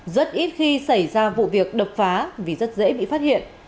rất ít khi xảy ra vụ việc đập phá vì rất dễ bị phát hiện